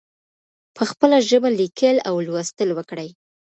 په خپله ژبه لیکل او لوستل وکړئ.